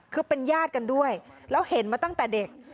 คือเป็นญาติกันด้วยแล้วเห็นมาตั้งแต่เด็ก